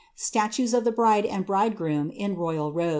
Statues of the bride and bridegroom, in royal robes, ' Hist.